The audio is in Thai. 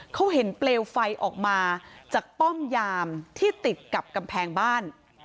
เขาเห็นเปลวไฟออกมาจากป้อมยามที่ติดกับกำแพงบ้าน